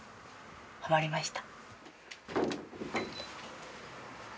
はまりました。